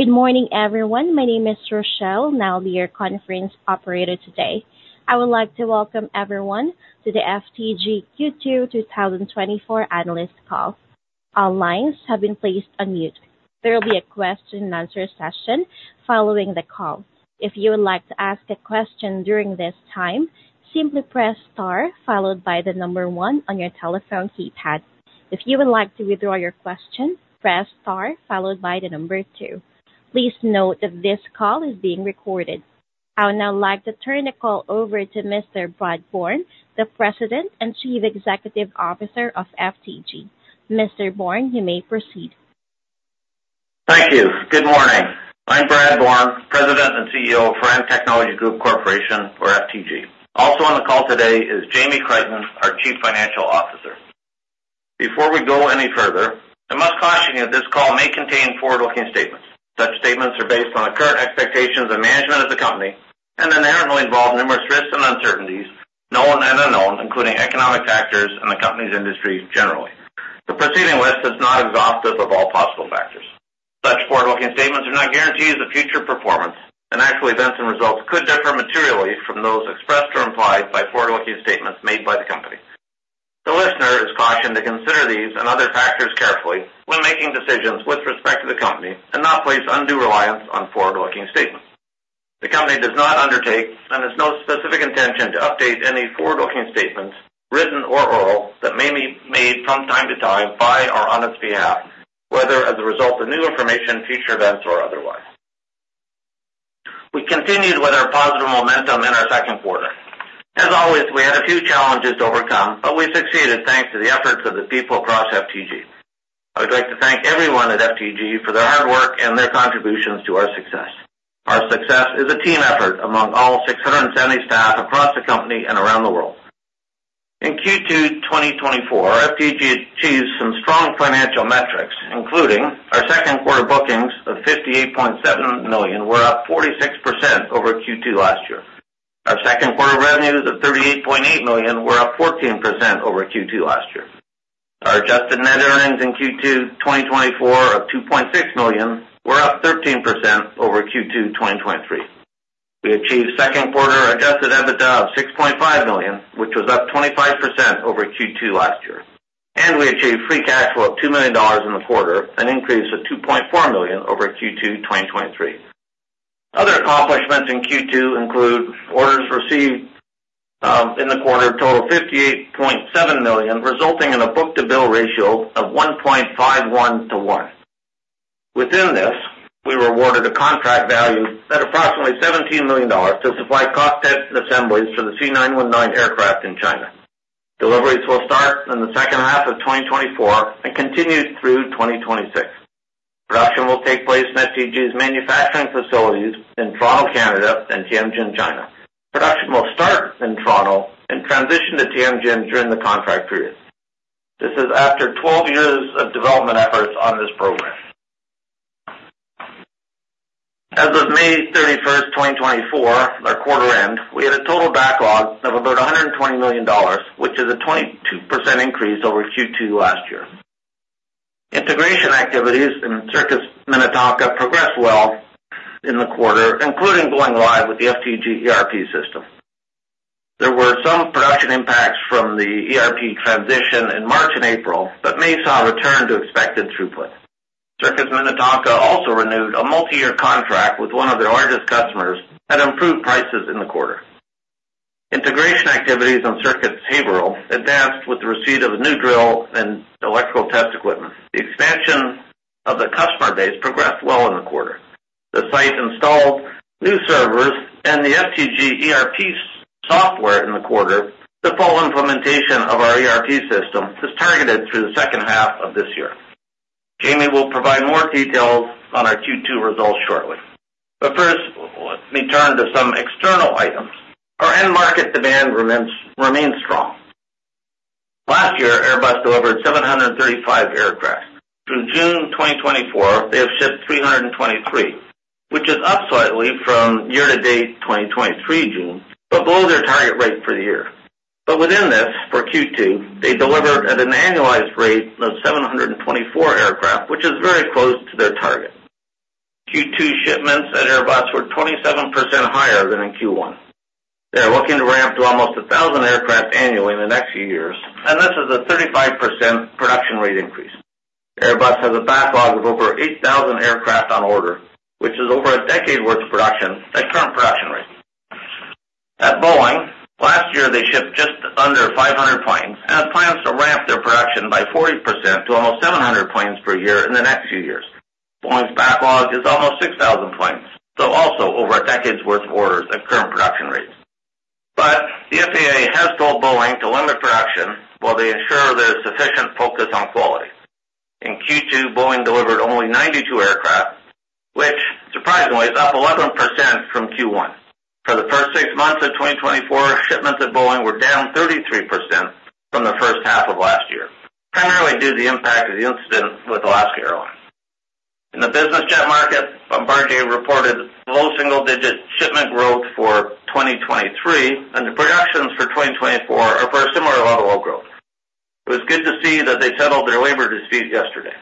Good morning, everyone. My name is Rochelle, and I'll be your conference operator today. I would like to welcome everyone to the FTG Q2 2024 Analyst Call. All lines have been placed on mute. There will be a question-and-answer session following the call. If you would like to ask a question during this time, simply press star followed by the number one on your telephone keypad. If you would like to withdraw your question, press star followed by the number two. Please note that this call is being recorded. I would now like to turn the call over to Mr. Brad Bourne, the President and Chief Executive Officer of FTG. Mr. Bourne, you may proceed. Thank you. Good morning. I'm Brad Bourne, President and CEO of Firan Technology Group Corporation, or FTG. Also on the call today is Jamie Crichton, our Chief Financial Officer. Before we go any further, I must caution you that this call may contain forward-looking statements. Such statements are based on the current expectations of management of the company and inherently involve numerous risks and uncertainties, known and unknown, including economic factors and the company's industry generally. The preceding list is not exhaustive of all possible factors. Such forward-looking statements are not guarantees of future performance, and actual events and results could differ materially from those expressed or implied by forward-looking statements made by the company. The listener is cautioned to consider these and other factors carefully when making decisions with respect to the company and not place undue reliance on forward-looking statements. The company does not undertake and has no specific intention to update any forward-looking statements, written or oral, that may be made from time to time by or on its behalf, whether as a result of new information, future events, or otherwise. We continued with our positive momentum in our Q2. As always, we had a few challenges to overcome, but we succeeded thanks to the efforts of the people across FTG. I would like to thank everyone at FTG for their hard work and their contributions to our success. Our success is a team effort among all 670 staff across the company and around the world. In Q2 2024, FTG achieved some strong financial metrics, including our Q2 bookings of CAD 58.7 million were up 46% over Q2 last year. Our Q2 revenues of 38.8 million were up 14% over Q2 last year. Our adjusted net earnings in Q2 2024 of 2.6 million were up 13% over Q2 2023. We achieved Q2 adjusted EBITDA of 6.5 million, which was up 25% over Q2 last year, and we achieved free cash flow of 2 million dollars in the quarter, an increase of 2.4 million over Q2 2023. Other accomplishments in Q2 include orders received in the quarter, a total of CAD 58.7 million, resulting in a book-to-bill ratio of 1.51:1. Within this, we were awarded a contract value at approximately CAD 17 million to supply cockpit assemblies for the C919 aircraft in China. Deliveries will start in the second half of 2024 and continue through 2026. Production will take place in FTG's manufacturing facilities in Toronto, Canada, and Tianjin, China. Production will start in Toronto and transition to Tianjin during the contract period. This is after twelve years of development efforts on this program. As of May 31, 2024, our quarter end, we had a total backlog of about 120 million dollars, which is a 22% increase over Q2 last year. Integration activities in Circuits Minnetonka progressed well in the quarter, including going live with the FTG ERP system. There were some production impacts from the ERP transition in March and April, but May saw a return to expected throughput. Circuits Minnetonka also renewed a multi-year contract with one of their largest customers at improved prices in the quarter. Integration activities on Circuits Haverhill advanced with the receipt of a new drill and electrical test equipment. The expansion of the customer base progressed well in the quarter. The site installed new servers and the FTG ERP software in the quarter. The full implementation of our ERP system is targeted through the second half of this year. Jamie will provide more details on our Q2 results shortly, but first, let me turn to some external items. Our end market demand remains strong. Last year, Airbus delivered 735 aircraft. Through June 2024, they have shipped 323, which is up slightly from year to date, June 2023, but below their target rate for the year. But within this, for Q2, they delivered at an annualized rate of 724 aircraft, which is very close to their target. Q2 shipments at Airbus were 27% higher than in Q1. They are looking to ramp to almost 1,000 aircraft annually in the next few years, and this is a 35% production rate increase. Airbus has a backlog of over 8,000 aircraft on order, which is over a decade's worth of production at current production rates. At Boeing, last year, they shipped just under 500 planes and plans to ramp their production by 40% to almost 700 planes per year in the next few years. Boeing's backlog is almost 6,000 planes, so also over a decade's worth of orders at current production rates. But the FAA has told Boeing to limit production while they ensure there is sufficient focus on quality. In Q2, Boeing delivered only 92 aircraft, which surprisingly is up 11% from Q1. For the first six months of 2024, shipments at Boeing were down 33% from the first half of last year, primarily due to the impact of the incident with Alaska Airlines. In the business jet market, Bombardier reported low single-digit shipment growth for 2023, and the projections for 2024 are for a similar level of growth. It was good to see that they settled their labor dispute yesterday.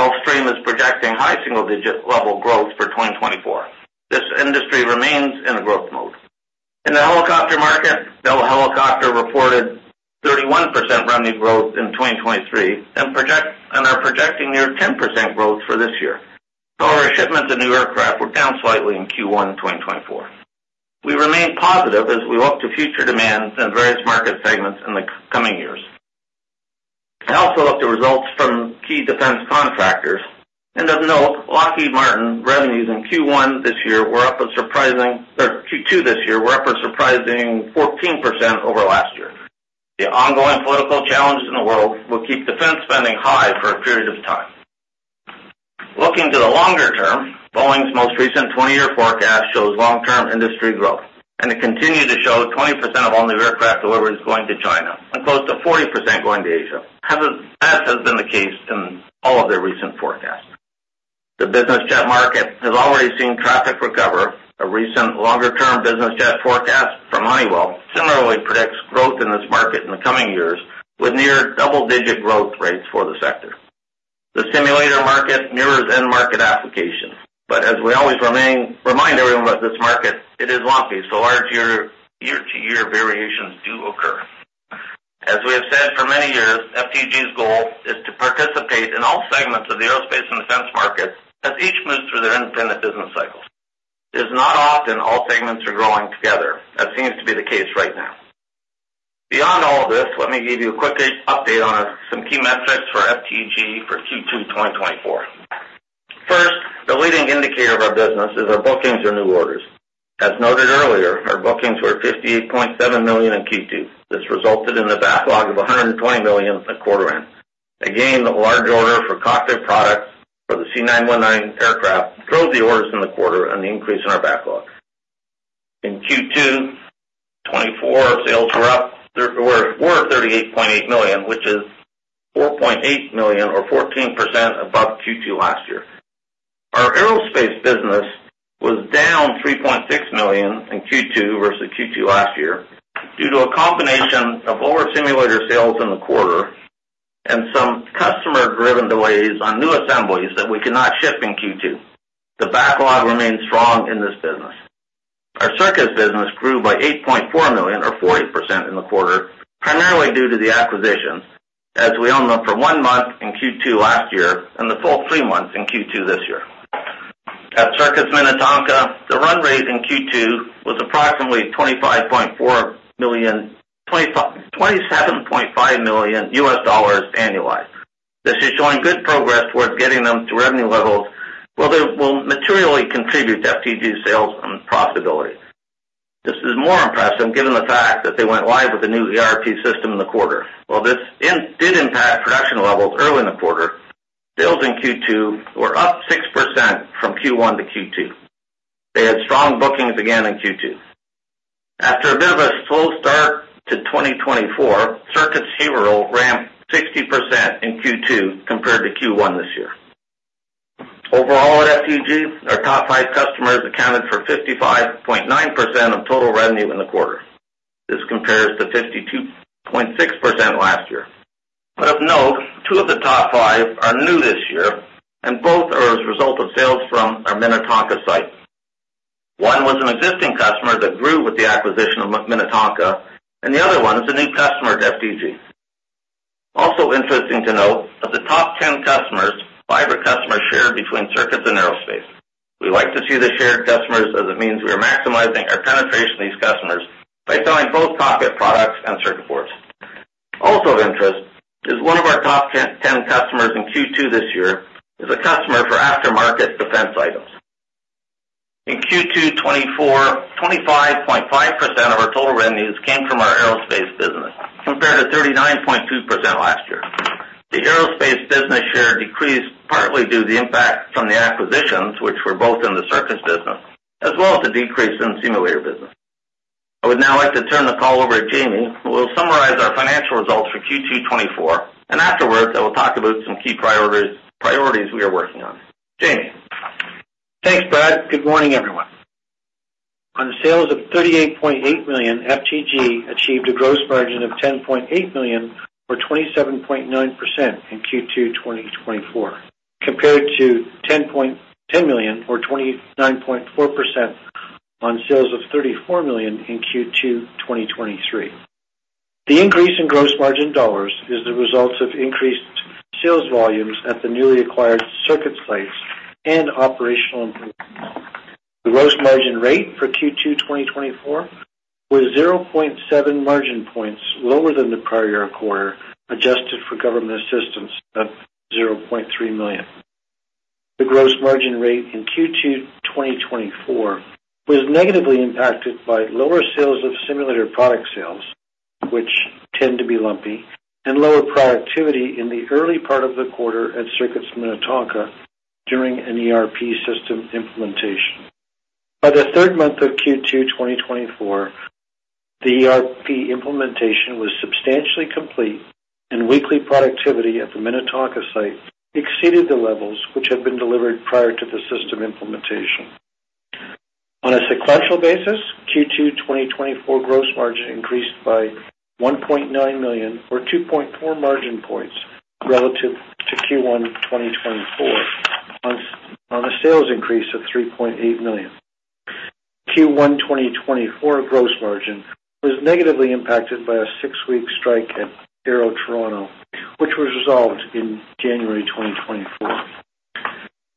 Gulfstream is projecting high single-digit level growth for 2024. This industry remains in a growth mode. In the helicopter market, Bell Helicopter reported 31% revenue growth in 2023, and are projecting near 10% growth for this year. However, shipments of new aircraft were down slightly in Q1 2024. We remain positive as we look to future demands in various market segments in the coming years. I also look to results from key defense contractors, and of note, Lockheed Martin revenues in Q1 this year were up a surprising—or Q2 this year, were up a surprising 14% over last year. The ongoing political challenges in the world will keep defense spending high for a period of time. Looking to the longer term, Boeing's most recent 20-year forecast shows long-term industry growth, and it continued to show 20% of all new aircraft deliveries going to China and close to 40% going to Asia, as has been the case in all of their recent forecasts. The business jet market has already seen traffic recover. A recent longer-term business jet forecast from Honeywell similarly predicts growth in this market in the coming years, with near double-digit growth rates for the sector. The simulator market mirrors end market application, but as we always remind everyone about this market, it is lumpy, so larger year-to-year variations do occur. As we have said for many years, FTG's goal is to participate in all segments of the aerospace and defense market as each moves through their independent business cycles. It's not often all segments are growing together. That seems to be the case right now. Beyond all this, let me give you a quick update on some key metrics for FTG for Q2, 2024. First, the leading indicator of our business is our bookings or new orders. As noted earlier, our bookings were 58.7 million in Q2. This resulted in a backlog of 120 million at quarter end. Again, the large order for cockpit products for the C919 aircraft drove the orders in the quarter and the increase in our backlog. In Q2 2024, sales were up, there were 38.8 million, which is 4.8 million, or 14% above Q2 last year. Our aerospace business was down 3.6 million in Q2 versus Q2 last year due to a combination of lower simulator sales in the quarter and some customer-driven delays on new assemblies that we could not ship in Q2. The backlog remains strong in this business. Our circuits business grew by 8.4 million or 40% in the quarter, primarily due to the acquisitions, as we owned them for one month in Q2 last year and the full three months in Q2 this year. At Circuits Minnetonka, the run rate in Q2 was approximately $25.4 million-27.5 million annualized. This is showing good progress towards getting them to revenue levels, where they will materially contribute to FTG's sales and profitability. This is more impressive given the fact that they went live with the new ERP system in the quarter. While this did impact production levels early in the quarter, sales in Q2 were up 6% from Q1 to Q2. They had strong bookings again in Q2. After a bit of a slow start to 2024, Circuits Haverhill ramped 60% in Q2 compared to Q1 this year. Overall, at FTG, our top five customers accounted for 55.9% of total revenue in the quarter. This compares to 52.6% last year. But of note, two of the top five are new this year, and both are as a result of sales from our Minnetonka site. One was an existing customer that grew with the acquisition of Minnetonka, and the other one is a new customer to FTG. Also interesting to note, of the top 10 customers, five are customers shared between Circuits and Aerospace. We like to see the shared customers as it means we are maximizing our penetration of these customers by selling both cockpit products and circuit boards. Also of interest is one of our top 10 customers in Q2 2024 is a customer for aftermarket defense items. In Q2 2024, 25.5% of our total revenues came from our aerospace business, compared to 39.2% last year. The aerospace business share decreased partly due to the impact from the acquisitions, which were both in the circuits business, as well as the decrease in simulator business. I would now like to turn the call over to Jamie, who will summarize our financial results for Q2 2024, and afterwards, I will talk about some key priorities, priorities we are working on. Jamie? Thanks, Brad. Good morning, everyone. On sales of 38.8 million, FTG achieved a gross margin of 10.8 million, or 27.9% in Q2 2024, compared to 10.1 million or 29.4% on sales of 34 million in Q2 2023. The increase in gross margin dollars is the results of increased sales volumes at the newly acquired circuits sites and operational improvements. The gross margin rate for Q2 2024 was 0.7 margin points lower than the prior year quarter, adjusted for government assistance of 0.3 million. The gross margin rate in Q2 2024 was negatively impacted by lower sales of simulator product sales, which tend to be lumpy, and lower productivity in the early part of the quarter at Circuits Minnetonka during an ERP system implementation. By the third month of Q2 2024, the ERP implementation was substantially complete, and weekly productivity at the Minnetonka site exceeded the levels which had been delivered prior to the system implementation. On a sequential basis, Q2 2024 gross margin increased by 1.9 million, or 2.4 margin points relative to Q1 2024, on a sales increase of 3.8 million. Q1 2024 gross margin was negatively impacted by a six-week strike at FTG Aerospace Toronto, which was resolved in January 2024.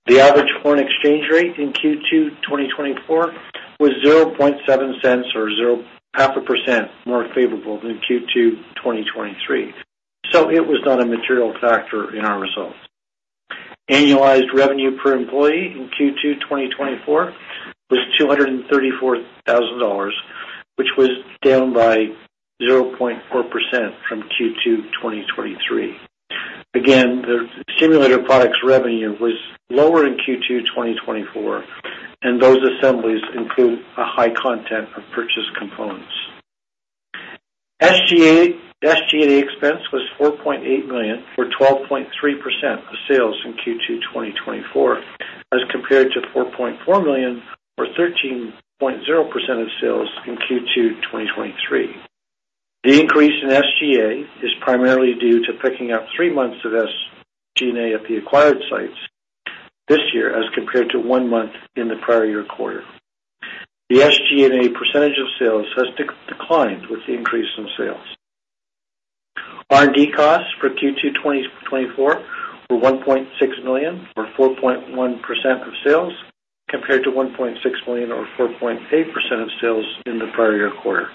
The average foreign exchange rate in Q2 2024 was 0.7 or 0.5% more favorable than Q2 2023, so it was not a material factor in our results. Annualized revenue per employee in Q2 2024 was 234 thousand dollars, which was down by 0.4% from Q2 2023. Again, the simulator products revenue was lower in Q2 2024, and those assemblies include a high content of purchased components. SG&A expense was 4.8 million, or 12.3% of sales in Q2 2024, as compared to 4.4 million, or 13.0% of sales in Q2 2023. The increase in SG&A is primarily due to picking up three months of SG&A at the acquired sites this year, as compared to one month in the prior year quarter. The SG&A percentage of sales has declined with the increase in sales. R&D costs for Q2 2024 were CAD 1.6 million, or 4.1% of sales, compared to CAD 1.6 million or 4.8% of sales in the prior year quarter.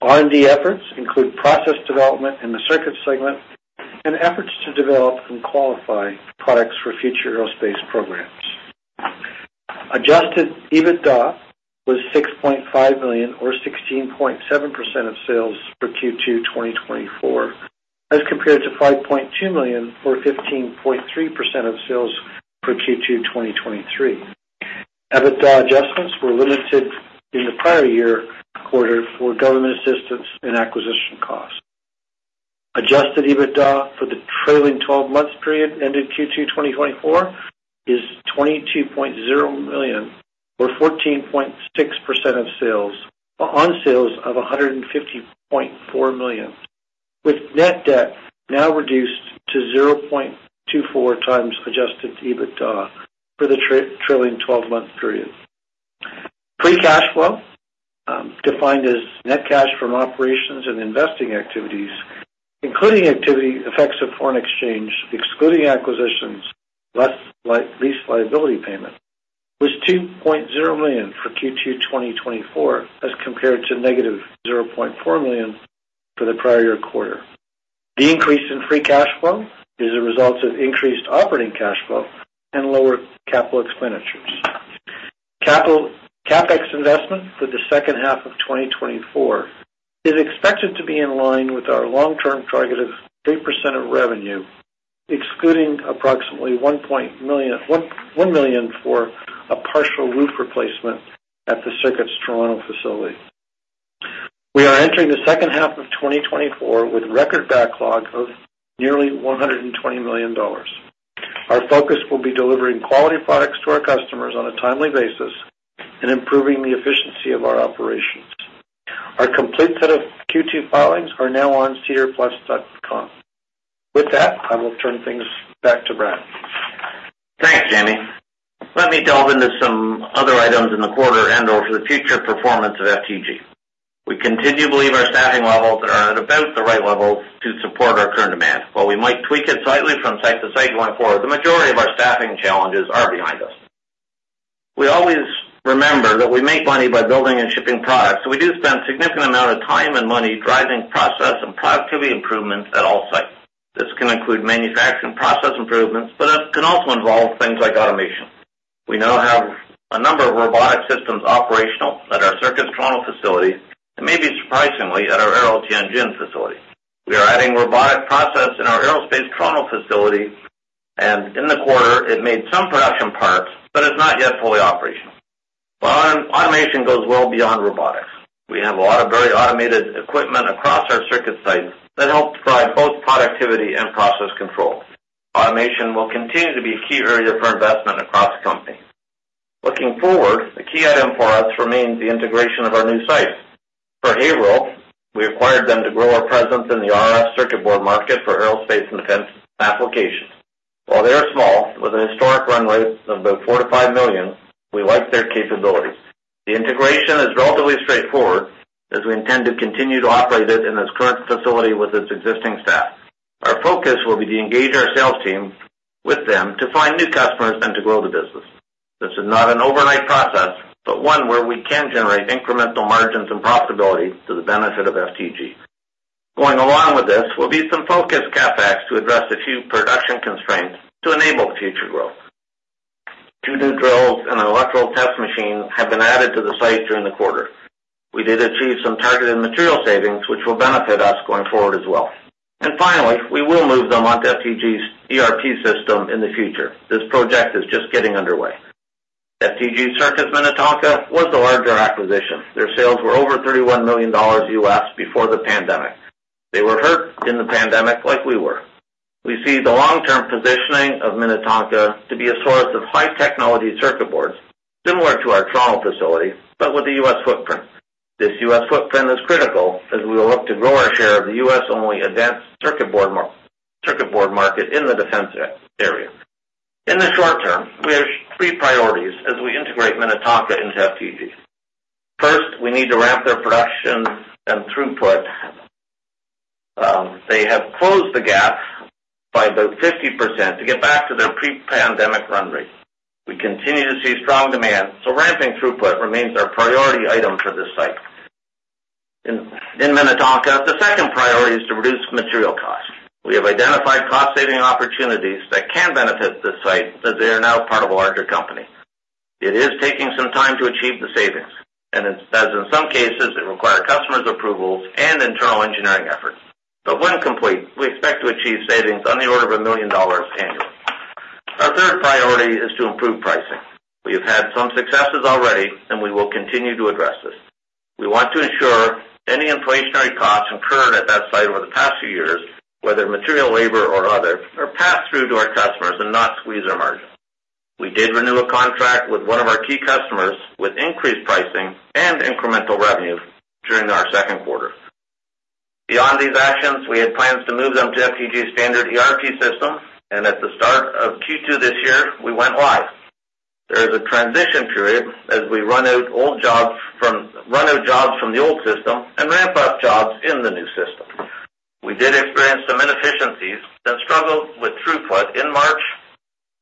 R&D efforts include process development in the Circuit segment and efforts to develop and qualify products for future aerospace programs. Adjusted EBITDA was 6.5 million, or 16.7% of sales for Q2 2024, as compared to 5.2 million, or 15.3% of sales for Q2 2023. EBITDA adjustments were limited in the prior year quarter for government assistance and acquisition costs. Adjusted EBITDA for the trailing twelve months period ended Q2 2024 is CAD 22.0 million, or 14.6% of sales, on sales of CAD 150.4 million, with net debt now reduced to 0.24 times adjusted EBITDA for the trailing twelve-month period. Free cash flow, defined as net cash from operations and investing activities, including activity effects of foreign exchange, excluding acquisitions, less lease liability payment, was 2.0 million for Q2 2024, as compared to -0.4 million for the prior year quarter. The increase in free cash flow is a result of increased operating cash flow and lower capital expenditures. CapEx investment for the second half of 2024 is expected to be in line with our long-term target of 8% of revenue, excluding approximately $1.1 million for a partial roof replacement at the FTG Circuits Toronto facility. We are entering the second half of 2024 with record backlog of nearly $120 million. Our focus will be delivering quality products to our customers on a timely basis and improving the efficiency of our operations. Our complete set of Q2 filings are now on SEDAR+.com. With that, I will turn things back to Brad. Thanks, Jamie. Let me delve into some other items in the quarter and/or for the future performance of FTG. We continue to believe our staffing levels are at about the right level to support our current demand. While we might tweak it slightly from site to site going forward, the majority of our staffing challenges are behind us. We always remember that we make money by building and shipping products, so we do spend a significant amount of time and money driving process and productivity improvements at all sites. This can include manufacturing process improvements, but it can also involve things like automation. We now have a number of robotic systems operational at our Circuits Toronto facility, and maybe surprisingly, at our Aerospace Tianjin facility. We are adding robotic process in our Aerospace Toronto facility, and in the quarter it made some production parts, but is not yet fully operational. But automation goes well beyond robotics. We have a lot of very automated equipment across our Circuit sites that help drive both productivity and process control. Automation will continue to be a key area for investment across the company. Looking forward, the key item for us remains the integration of our new sites. For Haverhill, we acquired them to grow our presence in the RF circuit board market for aerospace and defense applications. While they are small, with a historic run rate of about 4 million-5 million, we like their capabilities. The integration is relatively straightforward, as we intend to continue to operate it in its current facility with its existing staff. Our focus will be to engage our sales team with them to find new customers and to grow the business. This is not an overnight process, but one where we can generate incremental margins and profitability to the benefit of FTG. Going along with this will be some focused CapEx to address a few production constraints to enable future growth. Two new drills and an electrical test machine have been added to the site during the quarter. We did achieve some targeted material savings, which will benefit us going forward as well. And finally, we will move them onto FTG's ERP system in the future. This project is just getting underway. FTG Circuits Minnetonka was the larger acquisition. Their sales were over $31 million before the pandemic. They were hurt in the pandemic like we were. We see the long-term positioning of Minnetonka to be a source of high technology circuit boards, similar to our Toronto facility, but with a U.S. footprint. This U.S. footprint is critical as we will look to grow our share of the U.S.-only advanced circuit board market in the defense area. In the short term, we have three priorities as we integrate Minnetonka into FTG. First, we need to ramp their production and throughput. They have closed the gap by about 50% to get back to their pre-pandemic run rate. We continue to see strong demand, so ramping throughput remains our priority item for this site. In Minnetonka, the second priority is to reduce material costs. We have identified cost-saving opportunities that can benefit this site, as they are now part of a larger company. It is taking some time to achieve the savings, and in some cases, it requires customers' approvals and internal engineering efforts. When complete, we expect to achieve savings on the order of 1 million dollars annually. Our third priority is to improve pricing. We have had some successes already and we will continue to address this. We want to ensure any inflationary costs incurred at that site over the past few years, whether material, labor, or other, are passed through to our customers and not squeeze our margin. We did renew a contract with one of our key customers with increased pricing and incremental revenue during our Q2. Beyond these actions, we had plans to move them to FTG's standard ERP system, and at the start of Q2 this year, we went live. There is a transition period as we run out jobs from the old system and ramp up jobs in the new system. We did experience some inefficiencies and struggled with throughput in March,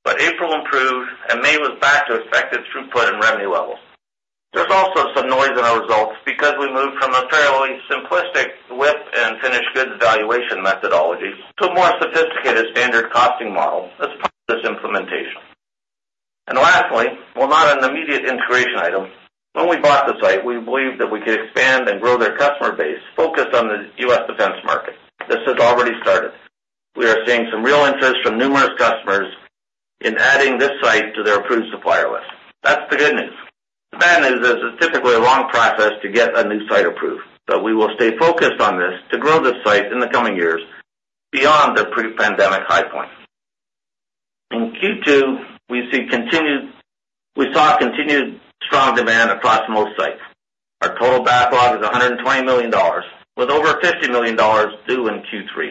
but April improved and May was back to expected throughput and revenue levels. There's also some noise in our results because we moved from a fairly simplistic WIP and finished goods evaluation methodologies to a more sophisticated standard costing model as part of this implementation. Lastly, while not an immediate integration item, when we bought the site, we believed that we could expand and grow their customer base focused on the U.S. defense market. This has already started. We are seeing some real interest from numerous customers in adding this site to their approved supplier list. That's the good news. The bad news is it's typically a long process to get a new site approved, but we will stay focused on this to grow this site in the coming years beyond their pre-pandemic high point. In Q2, we saw continued strong demand across most sites. Our total backlog is 120 million dollars, with over 50 million dollars due in Q3.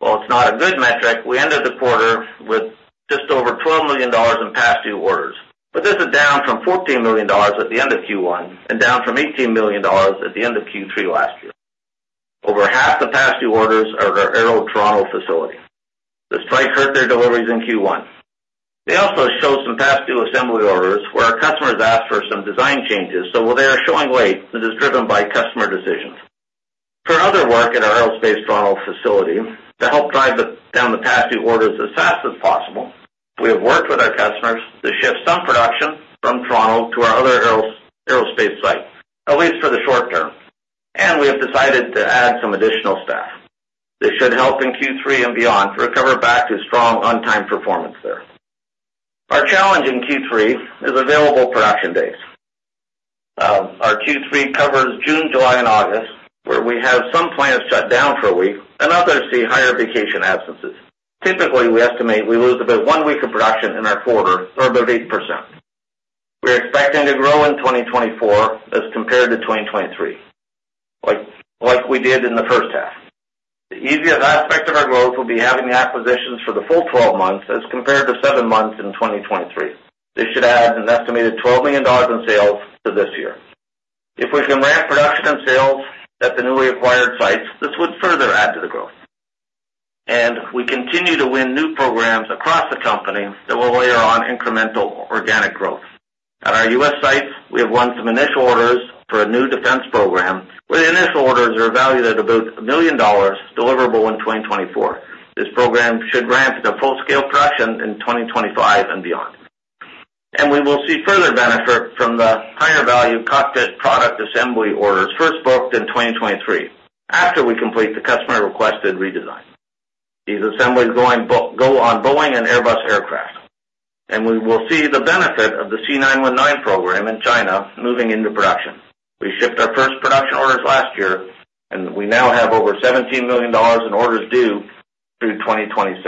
While it's not a good metric, we ended the quarter with just over 12 million dollars in past due orders, but this is down from 14 million dollars at the end of Q1 and down from 18 million dollars at the end of Q3 last year. Over half the past due orders are at our Aero Toronto facility. The strike hurt their deliveries in Q1. They also showed some past due assembly orders, where our customers asked for some design changes, so while they are showing late, this is driven by customer decisions. For other work at our Aerospace Toronto facility, to help drive down the past due orders as fast as possible, we have worked with our customers to shift some production from Toronto to our other aerospace site, at least for the short term. We have decided to add some additional staff. This should help in Q3 and beyond to recover back to strong on-time performance there. Our challenge in Q3 is available production days. Our Q3 covers June, July, and August, where we have some plants shut down for a week and others see higher vacation absences. Typically, we estimate we lose about one week of production in our quarter, or about 8%. We're expecting to grow in 2024 as compared to 2023, like we did in the first half. The easiest aspect of our growth will be having the acquisitions for the full 12 months as compared to seven months in 2023. This should add an estimated 12 million dollars in sales to this year. If we can ramp production and sales at the newly acquired sites, this would further add to the growth. We continue to win new programs across the company that will layer on incremental organic growth. At our U.S. sites, we have won some initial orders for a new defense program, where the initial orders are valued at about 1 million dollars, deliverable in 2024. This program should ramp to full-scale production in 2025 and beyond. We will see further benefit from the higher value cockpit product assembly orders first booked in 2023 after we complete the customer-requested redesign. These assemblies go on Boeing and Airbus aircraft, and we will see the benefit of the C919 program in China moving into production. We shipped our first production orders last year, and we now have over $17 million in orders due through 2026.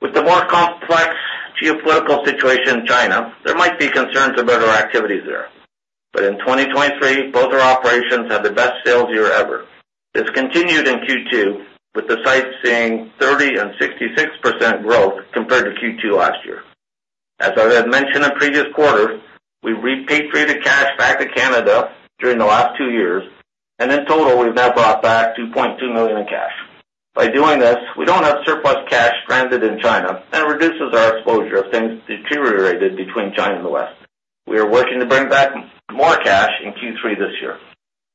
With the more complex geopolitical situation in China, there might be concerns about our activities there. But in 2023, both our operations had the best sales year ever. This continued in Q2, with the site seeing 30 and 66% growth compared to Q2 last year. As I had mentioned in previous quarters, we repatriated cash back to Canada during the last two years, and in total, we've now brought back $2.2 million in cash. By doing this, we don't have surplus cash stranded in China, and it reduces our exposure if things deteriorated between China and the West. We are working to bring back more cash in Q3 this year,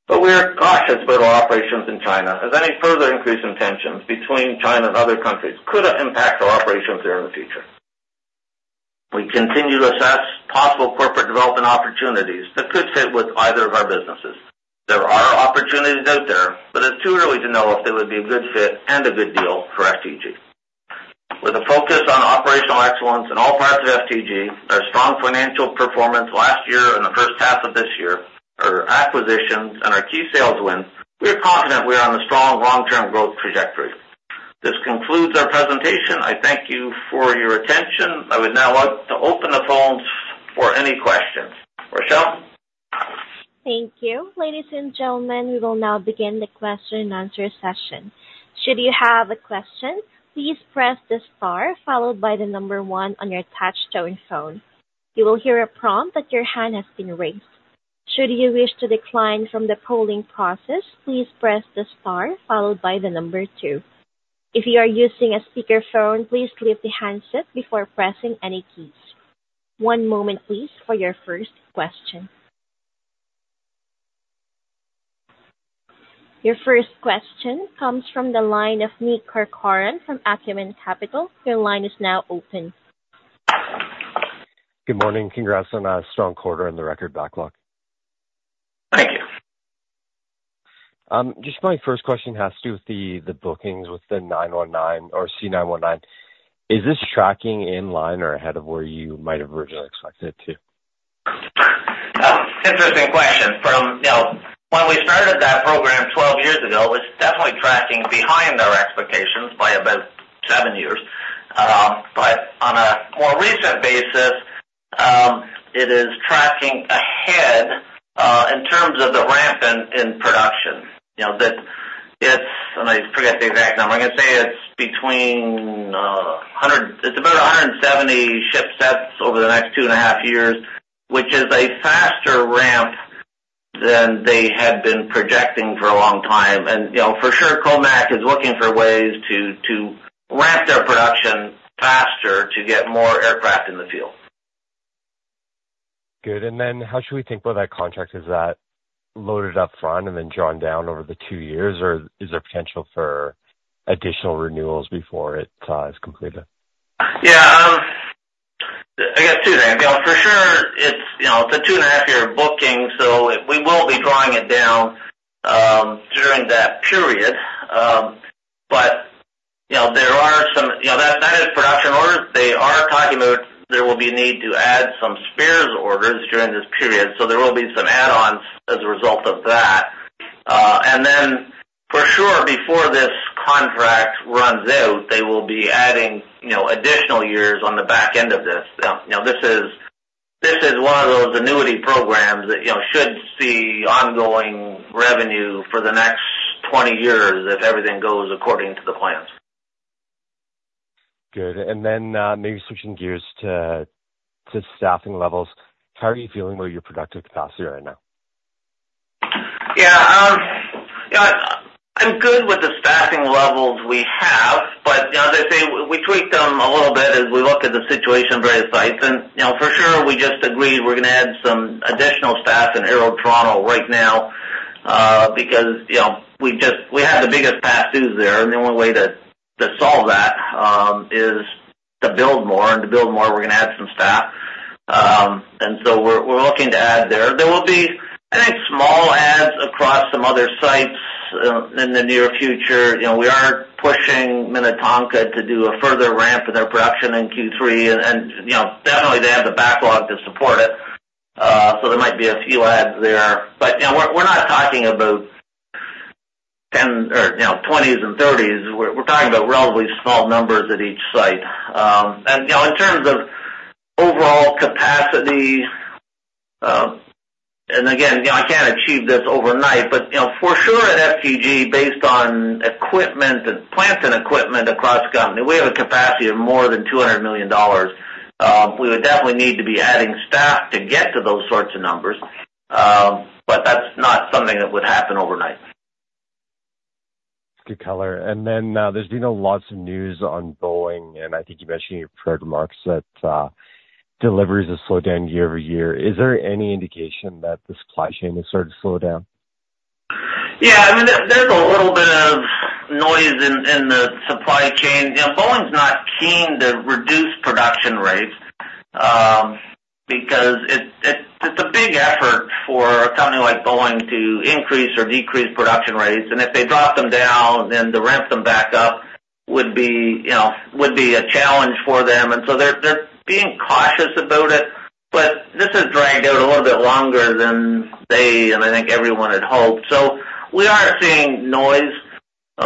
but we are cautious about our operations in China, as any further increase in tensions between China and other countries could impact our operations there in the future. We continue to assess possible corporate development opportunities that could fit with either of our businesses. There are opportunities out there, but it's too early to know if they would be a good fit and a good deal for FTG. With a focus on operational excellence in all parts of FTG, our strong financial performance last year and the first half of this year, our acquisitions and our key sales wins, we are confident we are on a strong long-term growth trajectory. This concludes our presentation. I thank you for your attention. I would now like to open the phones for any questions. Rochelle? Thank you. Ladies and gentlemen, we will now begin the question-and-answer session. Should you have a question, please press the star followed by one on your touchtone phone. You will hear a prompt that your hand has been raised. Should you wish to decline from the polling process, please press the star followed by two. If you are using a speakerphone, please leave the handset before pressing any keys. One moment, please, for your first question. Your first question comes from the line of Nick Corcoran from Acumen Capital. Your line is now open. Good morning. Congrats on a strong quarter and the record backlog. Thank you. Just my first question has to do with the bookings with the 919 or C919. Is this tracking in line or ahead of where you might have originally expected it to? Interesting question. From, you know, when we started that program 12 years ago, it's definitely tracking behind our expectations by about seven years. But on a more recent basis, it is tracking ahead in terms of the ramp in, in production. You know, that it's—and I forget the exact number. I'm gonna say it's between—it's about 170 ship sets over the next 2.5 years, which is a faster ramp than they had been projecting for a long time. And, you know, for sure, COMAC is looking for ways to, to ramp their production faster to get more aircraft in the field. Good. And then how should we think about that contract? Is that loaded up front and then drawn down over the two years, or is there potential for additional renewals before it is completed? Yeah, I guess two things. You know, for sure, it's, you know, it's a 2.5-year booking, so we will be drawing it down during that period. But, you know, that, that is production orders. They are talking about there will be need to add some spares orders during this period, so there will be some add-ons as a result of that. And then, for sure, before this contract runs out, they will be adding, you know, additional years on the back end of this. You know, this is, this is one of those annuity programs that, you know, should see ongoing revenue for the next 20 years if everything goes according to the plan. Good. And then, maybe switching gears to staffing levels. How are you feeling about your productive capacity right now? Yeah, you know, I'm good with the staffing levels we have, but, you know, as I say, we tweaked them a little bit as we looked at the situation at various sites. And, you know, for sure, we just agreed we're gonna add some additional staff in Aero Toronto right now, because, you know, we had the biggest backlogs there, and the only way to solve that is to build more. And to build more, we're gonna add some staff. And so we're looking to add there. There will be, I think, small adds across some other sites in the near future. You know, we are pushing Minnetonka to do a further ramp in their production in Q3, and, you know, definitely they have the backlog to support it, so there might be a few adds there. But, you know, we're not talking about 10, or you know, 20s and 30s. We're talking about relatively small numbers at each site. And, you know, in terms of overall capacity, and again, you know, I can't achieve this overnight, but, you know, for sure, at FTG, based on equipment and plants and equipment across the company, we have a capacity of more than 200 million dollars. We would definitely need to be adding staff to get to those sorts of numbers, but that's not something that would happen overnight. Good color. And then, there's been a lots of news on Boeing, and I think you mentioned in your prepared remarks that, deliveries have slowed down year-over-year. Is there any indication that the supply chain has started to slow down? Yeah, I mean, there's a little bit of noise in the supply chain. You know, Boeing's not keen to reduce production rates, because it's a big effort for a company like Boeing to increase or decrease production rates, and if they drop them down, then to ramp them back up would be, you know, a challenge for them. And so they're being cautious about it, but this has dragged out a little bit longer than they, and I think everyone, had hoped. So we are seeing noise in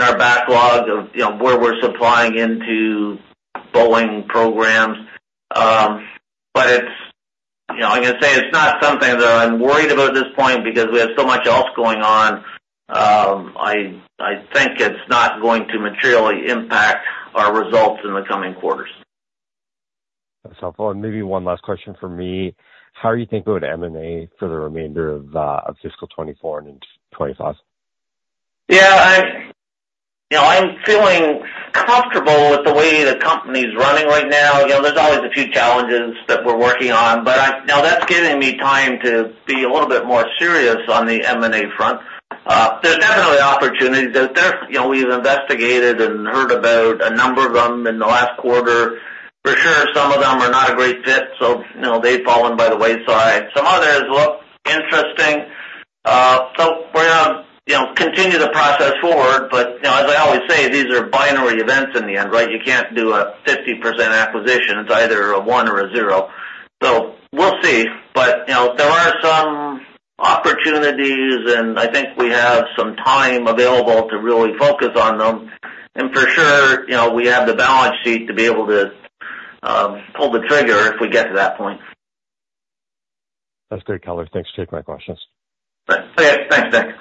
our backlog of, you know, where we're supplying into Boeing programs. But it's, you know, I'm gonna say, it's not something that I'm worried about at this point because we have so much else going on. I think it's not going to materially impact our results in the coming quarters. That's helpful. Maybe one last question from me. How are you thinking about M&A for the remainder of fiscal 2024 and into 2025? Yeah, you know, I'm feeling comfortable with the way the company's running right now. You know, there's always a few challenges that we're working on, but—now, that's giving me time to be a little bit more serious on the M&A front. There's definitely opportunities out there. You know, we've investigated and heard about a number of them in the last quarter. For sure, some of them are not a great fit, so, you know, they've fallen by the wayside. Some others look interesting. So we're gonna, you know, continue the process forward, but, you know, as I always say, these are binary events in the end, right? You can't do a 50% acquisition. It's either a one or a zero. So we'll see. But, you know, there are some opportunities, and I think we have some time available to really focus on them. For sure, you know, we have the balance sheet to be able to pull the trigger if we get to that point. That's great color. Thanks for taking my questions. Thanks. Thanks, thanks.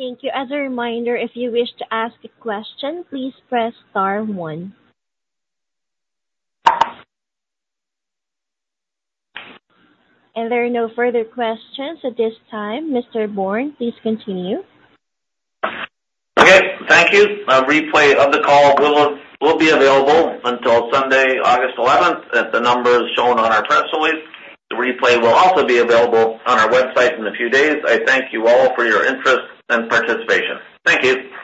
Thank you. As a reminder, if you wish to ask a question, please press star one. There are no further questions at this time. Mr. Bourne, please continue. Okay. Thank you. A replay of the call will be available until Sunday, August eleventh, at the numbers shown on our press release. The replay will also be available on our website in a few days. I thank you all for your interest and participation. Thank you.